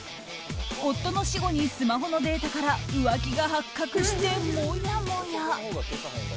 夫の死後にスマホのデータから浮気が発覚して、もやもや。